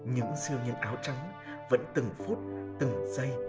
những siêu nhân áo trắng vẫn từng phút từng giây